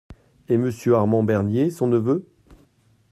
Et Monsieur Armand Bernier, son neveu ?